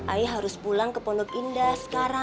ae harus pulang ke pondok indah